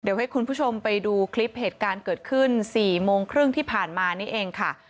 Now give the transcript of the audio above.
เดี๋ยวให้คุณผู้ชมไปดูคลิปเหตุการณ์เกิดขึ้น๔โมงครึ่งที่ผ่านมานี่เองค่ะ